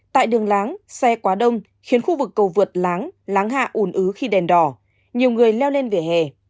tại đường láng xe quá đông khiến khu vực cầu vượt láng láng hạ ùn ứ khi đèn đỏ nhiều người leo lên vỉa hè